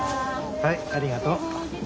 はいありがとう。